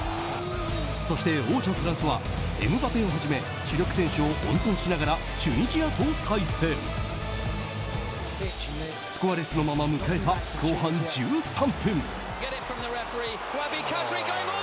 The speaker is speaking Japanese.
そして、王者フランスはエムバペをはじめ主力選手を温存しながらチュニジアと対戦。スコアレスのまま迎えた後半１３分。